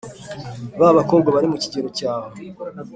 babakobwa barimukigero cyawe